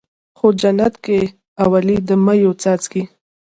خو جنت کې اولي د مَيو څاڅکی